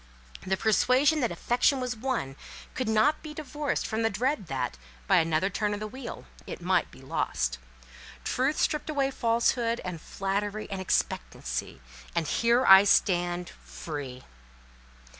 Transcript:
The persuasion that affection was won could not be divorced from the dread that, by another turn of the wheel, it might be lost. Truth stripped away Falsehood, and Flattery, and Expectancy, and here I stand—free!"